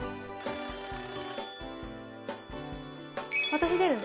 私、出るね。